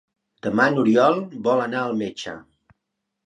Demà n'Oriol vol anar al metge.